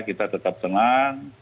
kita tetap tenang